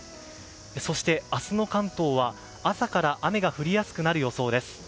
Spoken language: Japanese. そして、明日の関東は朝から雨が降りやすくなる予想です。